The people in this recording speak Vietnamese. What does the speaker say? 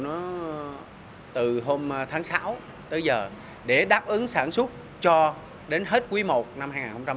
nó từ hôm tháng sáu tới giờ để đáp ứng sản xuất cho đến hết quý i năm hai nghìn hai mươi